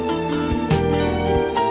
đêm mưa về gió đèn